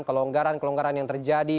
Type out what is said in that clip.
kelonggaran kelonggaran yang terjadi